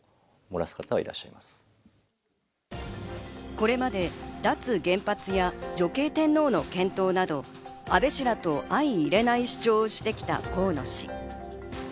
これまで脱原発や女系天皇の検討など安倍氏らと相いれない主張をしてきた河野氏。